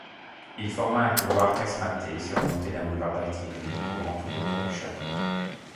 Il forma un couloir casematé surmonté d'un boulevard d'artillerie courant tout autour du château.